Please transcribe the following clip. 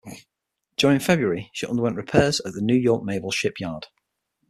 During February, she underwent repairs at the New York Naval Shipyard.